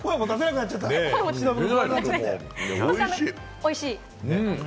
おいしい。